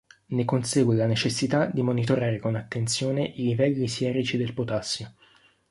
Ne consegue la necessità di monitorare con attenzione i livelli sierici del potassio.